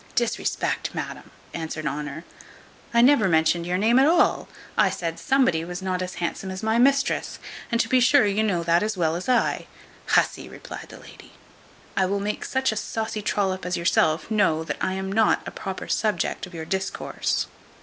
"Disrespect, madam!" answered Honour; "I never mentioned your name at all: I said somebody was not as handsome as my mistress, and to be sure you know that as well as I." "Hussy," replied the lady, "I will make such a saucy trollop as yourself know that I am not a proper subject of your discourse.